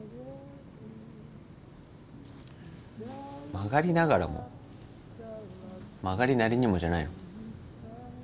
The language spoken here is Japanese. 曲がりながらも曲がりなりにもじゃないの？